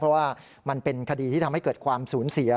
เพราะว่ามันเป็นคดีที่ทำให้เกิดความสูญเสีย